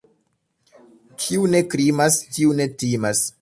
Kiu ne krimas, tiu ne timas.